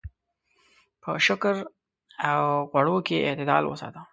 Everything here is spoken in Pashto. په شکر او غوړو کې اعتدال وساته.